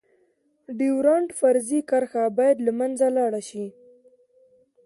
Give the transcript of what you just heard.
ډيورنډ فرضي کرښه باید لمنځه لاړه شی.